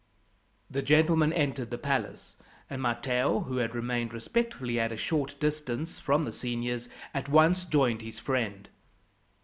The gentlemen entered the palace, and Matteo, who had remained respectfully at a short distance from the seniors, at once joined his friend.